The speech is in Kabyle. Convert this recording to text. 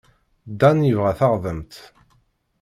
Dan yebɣa taɣdemt.